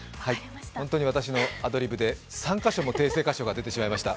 本当に私のアドリブで３か所も訂正箇所になってしまいました。